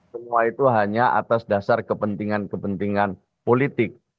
semua itu hanya atas dasar kepentingan kepentingan politik